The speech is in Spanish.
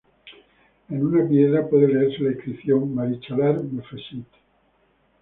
En una piedra puede leerse la inscripción: "Marichalar me fecit.